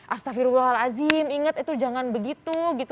astagfirullahaladzim ingat itu jangan begitu gitu